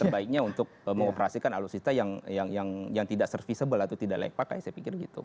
jadi terbaiknya untuk mengoperasikan alutsista yang tidak serviceable atau tidak layak pakai saya pikir gitu